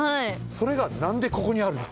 それがなんでここにあるの？